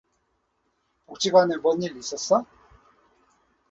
복지관에 뭔 일 있었어?